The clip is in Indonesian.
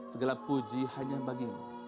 segala puji hanya bagimu